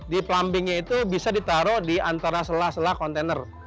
di plumbingnya itu bisa ditaruh di antara sela sela kontainer